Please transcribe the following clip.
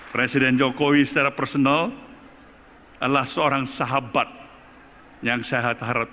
presiden jokowi secara personal adalah seorang sahabat yang sehat harapkan